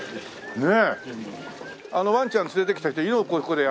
ねえ。